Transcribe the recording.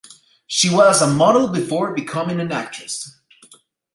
She was a model before becoming an actress.